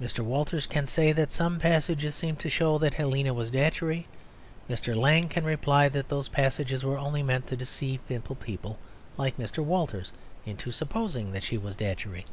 Mr. Walters can say that some passages seemed to show that Helena was Datchery; Mr. Lang can reply that those passages were only meant to deceive simple people like Mr. Walters into supposing that she was Datchery.